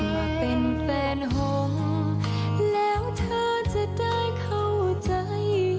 ว่าเป็นแฟนหงแล้วเธอจะได้เข้าใจ